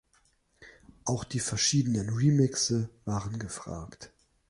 Auch die verschiedenen Remixe waren gefragt.